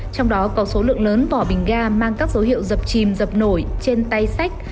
trong đó có số lượng lớn vỏ bình ga mang các dấu hiệu dập chìm dập nổi trên tay sách